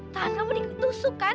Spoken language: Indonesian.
tahan kamu di tusuk kan